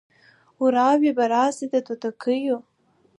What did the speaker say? وراوي به راسي د توتکیو